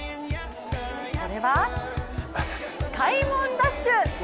それは、開門ダッシュ。